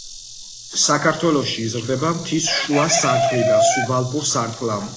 საქართველოში იზრდება მთის შუა სარტყლიდან სუბალპურ სარტყლამდე.